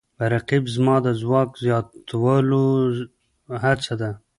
رقیب زما د ځواک د زیاتولو هڅه ده